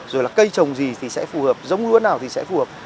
rồi là cây trồng gì thì sẽ phù hợp giống lúa nào thì sẽ phù hợp